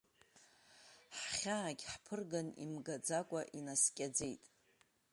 Ҳхьаагь ҳԥырган имгаӡакәа, инаскьаӡеит…